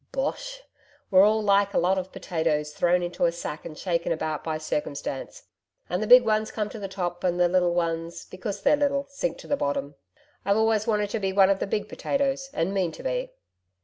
Bosh! We're all like a lot of potatoes thrown into a sack and shaken about by circumstance. And the big ones come to the top, and the little ones because they're little sink to the bottom. I've always wanted to be one of the big potatoes, and mean to be.'